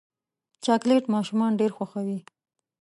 چاکلېټ ماشومان ډېر خوښوي.